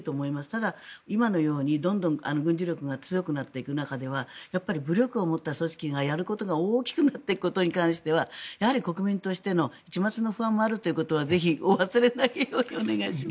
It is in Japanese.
ただ今のようにどんどん軍事力が強くなっていく中では武力を持った組織がやることが大きくなっていくことに関しては国民としても一抹の不安もあるということはぜひお忘れないようにお願いします。